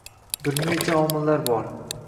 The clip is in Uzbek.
- Bir necha omillar bor